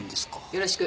よろしく。